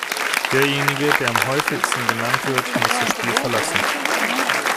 Derjenige, der am häufigsten genannt wird, muss das Spiel verlassen.